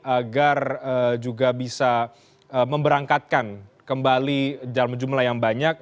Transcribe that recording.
agar juga bisa memberangkatkan kembali dalam jumlah yang banyak